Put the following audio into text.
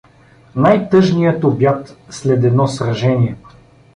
Най-тъжният обряд след едно сражение.